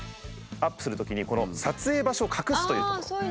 アップするときに「撮影場所を隠す」という所。